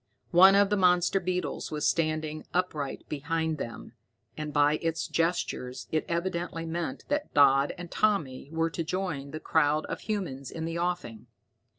One of the monster beetles was standing upright behind them, and by its gestures it evidently meant that Dodd and Tommy were to join the crowd of humans in the offing.